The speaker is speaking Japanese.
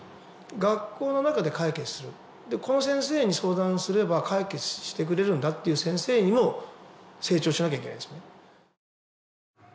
学校の中で解決するこの先生に相談すれば解決してくれるんだっていう先生にも成長しなきゃいけないんですよね